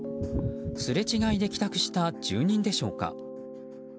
すれ違いで帰宅した住人でしょうか。